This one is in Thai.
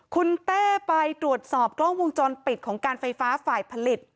คุณเต้ไปตรวจสอบกล้องวงจรปิดของการไฟฟ้าฝ่ายผลิต